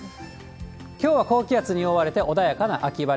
きょうは高気圧に覆われて、穏やかな秋晴れ。